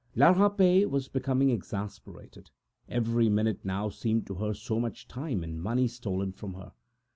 La Rapet was getting exasperated; every passing minute now seemed to her so much time and money stolen from her.